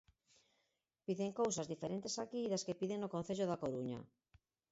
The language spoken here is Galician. Piden cousas diferentes aquí das que piden no Concello da Coruña.